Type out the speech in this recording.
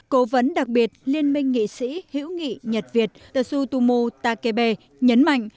cố vấn đặc biệt liên minh nghị sĩ hiểu nghị nhật việt tơ sư tơ mưu takebe nhấn mạnh